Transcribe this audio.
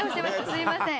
すみません。